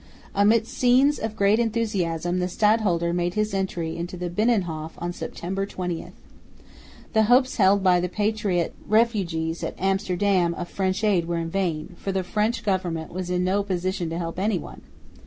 Amidst scenes of great enthusiasm the stadholder made his entry into the Binnenhof on September 20. The hopes held by the patriot refugees at Amsterdam of French aid were vain, for the French government was in no position to help anyone.